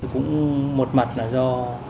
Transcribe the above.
cũng một mặt là do